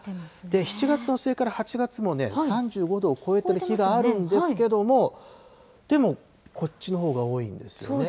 ７月の末から８月もね、３５度を超えてる日があるんですけれども、でもこっちのほうが多いんですよね。